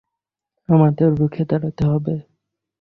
আমাদের রুখে দাঁড়াতে হবে!